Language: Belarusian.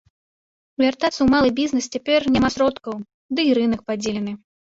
Вяртацца ў малы бізнес цяпер няма сродкаў, дый рынак падзелены.